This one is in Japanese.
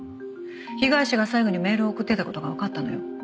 被害者が最後にメールを送ってた事がわかったのよ。